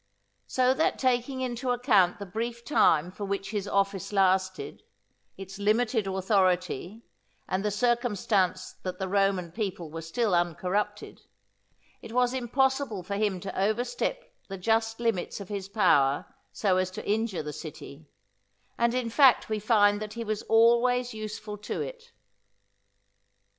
So that taking into account the brief time for which his office lasted, its limited authority, and the circumstance that the Roman people were still uncorrupted, it was impossible for him to overstep the just limits of his power so as to injure the city; and in fact we find that he was always useful to it.